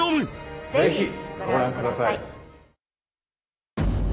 ぜひご覧ください。